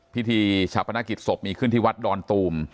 พิธีชาปนกิจศพมีขึ้นที่วัดดอนตูม